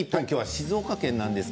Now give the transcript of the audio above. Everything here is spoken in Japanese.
静岡県です。